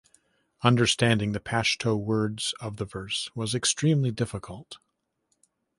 Understanding the Pashto words of the verse was extremely difficult.